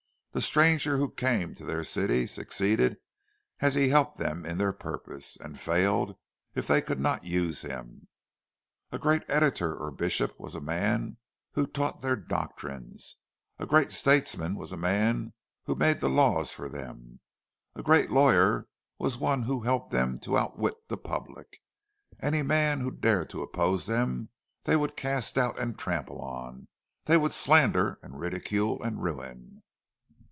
The stranger who came to their city succeeded as he helped them in their purposes, and failed if they could not use him. A great editor or bishop was a man who taught their doctrines; a great statesman was a man who made the laws for them; a great lawyer was one who helped them to outwit the public. Any man who dared to oppose them, they would cast out and trample on, they would slander and ridicule and ruin.